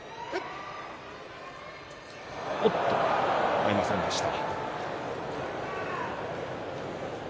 合いませんでした。